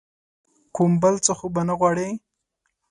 کوم بل څه خو به نه غواړې ؟